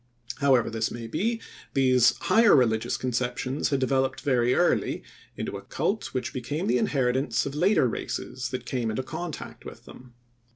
However this may be, these higher religious conceptions had developed very early into a cult which became the inheritance of later races that came into contact with them.